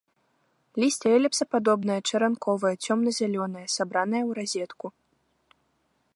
Лісце эліпсападобнае, чаранковае, цёмна-зялёнае, сабранае ў разетку.